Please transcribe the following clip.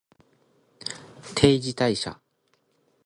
定時退社